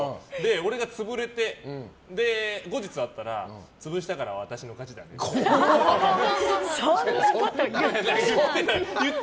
俺が潰れて後日会ったら、潰したから私の勝ちだねって。